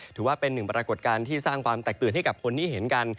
ถือว่าเป็นปรากฎการณ์ที่สร้างความแตกตืดให้คนที่เห็นกัน